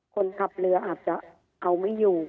คนขับเรืออาจจะเอาไม่อยู่